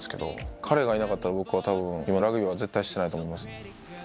彼がいなかったら僕は多分今ラグビーは絶対してないと思います。